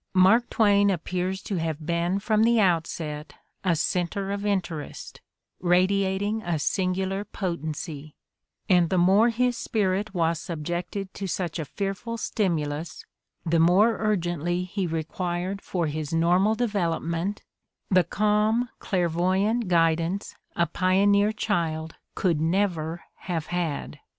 Mark Twain appears to have been from the outset a center of in terest, radiating a singular potency; and the more his spirit was subjected to such a fearful stimulus the more urgently he required for his normal develop ment the calm, clairvoyant guidance a pioneer child could never have had.